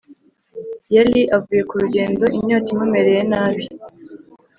yali avuye ku rugendo inyota imumereye nabi .